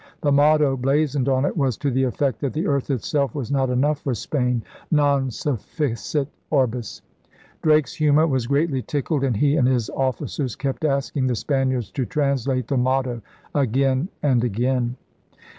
The motto blazoned on it was to the effect that the earth itself was not enough for Spain — Non sufficit orbis, Drake's humor was greatly tickled, and he and his officers kept asking the Spaniards to translate the motto again and again.